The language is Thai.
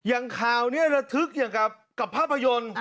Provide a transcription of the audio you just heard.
อย่างข่าวนี้ระทึกอย่างกับภาพยนตร์